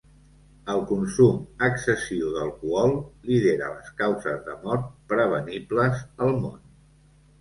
El consum excessiu d'alcohol lidera les causes de mort prevenibles al món.